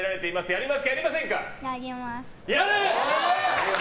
やります。